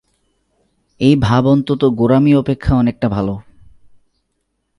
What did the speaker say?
এই ভাব অন্তত গোঁড়ামি অপেক্ষা অনেকটা ভাল।